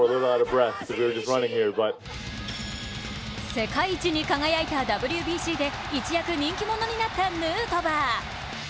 世界一に輝いたＷＢＣで一躍人気者になったヌートバー。